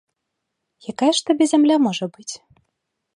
Якая ж табе зямля можа быць?